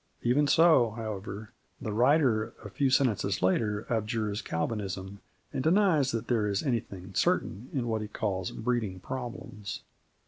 Even so, however, the writer a few sentences later abjures Calvinism, and denies that there is anything certain in what he calls breeding problems.